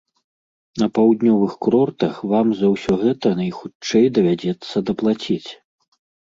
На паўднёвых курортах вам за ўсё гэта найхутчэй давядзецца даплаціць.